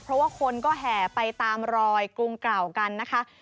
เพราะว่าคนก็แห่ไปตามรอยกรุงเก่ากันนะคะ